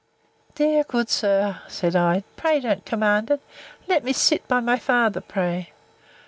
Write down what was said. Dear, good sir, said I, pray don't command it! Let me sit by my father, pray!